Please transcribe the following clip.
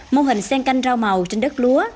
mô hình sen canh rau màu trên đất lúa